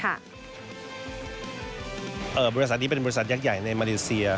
บริษัทนี้เป็นบริษัทยักษ์ใหญ่ในมาเลเซีย